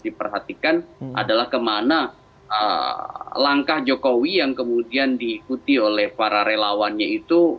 diperhatikan adalah kemana langkah jokowi yang kemudian diikuti oleh para relawannya itu